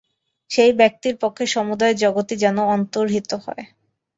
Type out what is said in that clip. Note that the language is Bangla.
সেই ব্যক্তির পক্ষে সমুদয় জগৎই যেন অন্তর্হিত হয়।